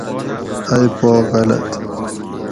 ائی پا غلط